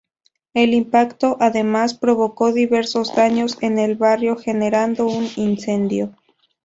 El impacto además provocó diversos daños en el barrio generando un incendio.